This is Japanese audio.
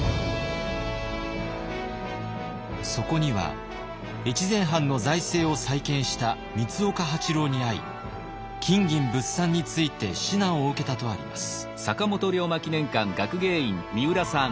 そこには越前藩の財政を再建した三岡八郎に会い金銀物産について指南を受けたとあります。